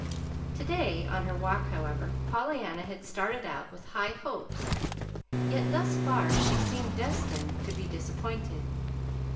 To day, on her walk, however, Pollyanna had started out with high hopes, yet thus far she seemed destined to be disappointed.